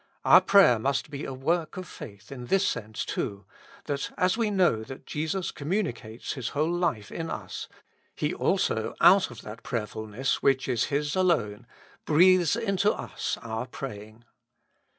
Our prayer must be a work of faith in this sense too, that as we know that Jesus communicates His whole life in us, He also out of that prayerfulness which is His alone breathes into us our praying.